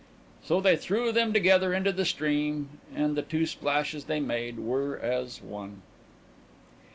So they threw them together into the stream and the two splashes they made were as one.